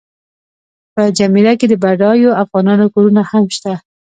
په جمیره کې د بډایو افغانانو کورونه هم شته.